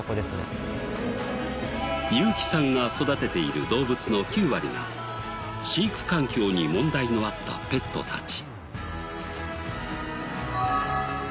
ユーキさんが育てている動物の９割が飼育環境に問題のあったペットたち。